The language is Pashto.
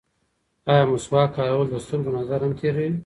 ایا مسواک کارول د سترګو نظر هم تېروي؟